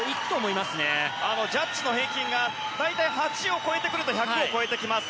ジャッジの評価が大体８を超えてくると１００を超えてきます。